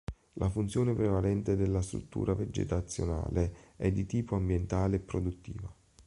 La funzione prevalente della struttura vegetazionale è di tipo ambientale e produttiva.